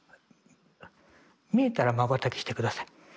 見えたらまばたきして下さい。